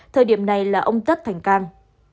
thời điểm này là ông tất thành cang